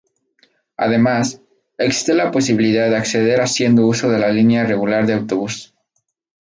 Además, existe la posibilidad de acceder haciendo uso de la línea regular de autobús.